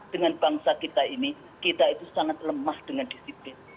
dengan bangsa kita ini kita itu sangat lemah dengan disiplin